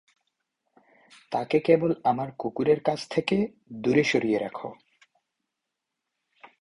তাকে কেবল আমার কুকুর এর কাছ থেকে দূরে সরিয়ে রেখো।